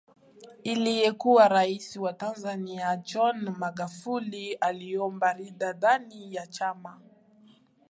Aliyekuwa Rais wa Tanzania John Magufuli aliomba ridhaa ndani ya Chama